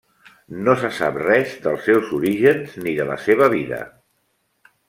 No se sap res dels seus orígens ni de la seva vida.